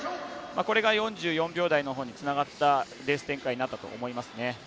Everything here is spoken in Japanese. これが４４秒台のほうにつながったレース展開になったと思います。